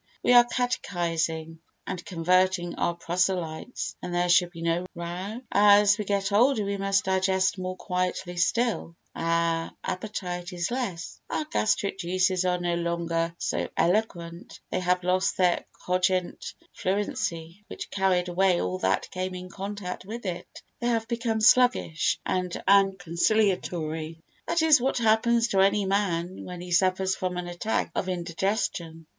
We are catechising and converting our proselytes, and there should be no row. As we get older we must digest more quietly still, our appetite is less, our gastric juices are no longer so eloquent, they have lost that cogent fluency which carried away all that came in contact with it. They have become sluggish and unconciliatory. This is what happens to any man when he suffers from an attack of indigestion.